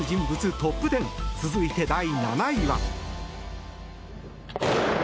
トップ１０続いて第７位は。